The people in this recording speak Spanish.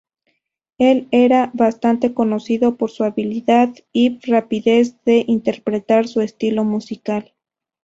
Él era bastante conocido por su habilidad yb rapidez de interpretar su estilo musical.